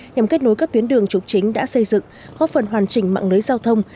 nhằm kết nối các tuyến đường trục chính đã xây dựng góp phần hoàn chỉnh mạng lưới giao thông